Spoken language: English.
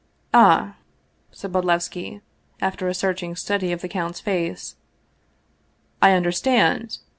" Ah !" said Bodlevski, after a searching study of the count's face. " I understand